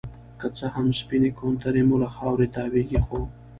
که څه هم سپينې کونترې مو له خاورې تاويږي ،خو